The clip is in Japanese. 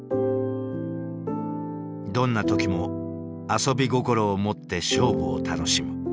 どんな時も「遊び心」を持って勝負を楽しむ。